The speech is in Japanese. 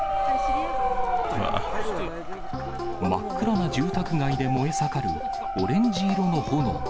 真っ暗な住宅街で燃え盛るオレンジ色の炎。